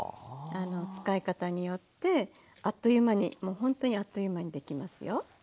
使い方によってあっという間にほんとにあっという間にできますよ。